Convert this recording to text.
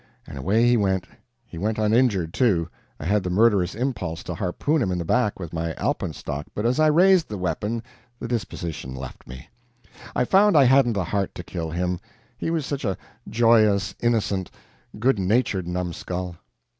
And away he went. He went uninjured, too I had the murderous impulse to harpoon him in the back with my alpenstock, but as I raised the weapon the disposition left me; I found I hadn't the heart to kill him, he was such a joyous, innocent, good natured numbskull.